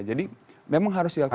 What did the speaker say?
jadi memang harus dialkirkan